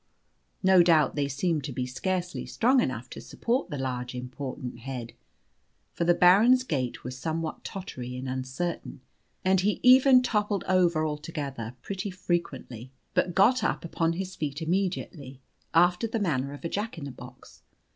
No doubt they seemed to be scarcely strong enough to support the large, important head. For the Baron's gait was somewhat tottery and uncertain, and he even toppled over altogether pretty frequently, but got up upon his feet immediately, after the manner of a jack in the box.